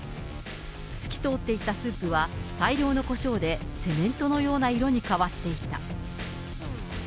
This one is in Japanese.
透き通っていたスープは、大量のコショウでセメントのような色に変わっていた。